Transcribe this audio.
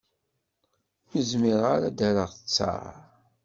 Ur zmireɣ ad d-erreɣ ttaṛ.